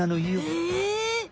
へえ。